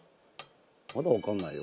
まだわかんないよ。